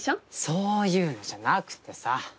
そういうんじゃなくてさ。